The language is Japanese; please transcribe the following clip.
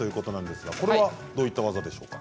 これはどういった技ですか？